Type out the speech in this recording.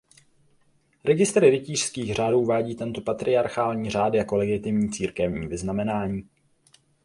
Registr rytířských řádů uvádí tento patriarchální řád jako legitimní církevní vyznamenání.